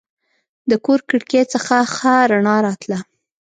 د کور کړکۍ څخه ښه رڼا راتله.